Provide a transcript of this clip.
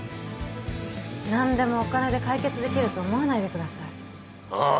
何でもお金で解決できると思わないでくださいああ